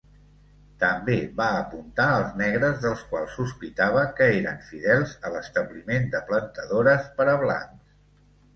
També va apuntar als negres dels quals sospitava que eren fidels a l'establiment de plantadores per a blancs.